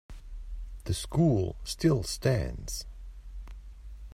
The school still stands.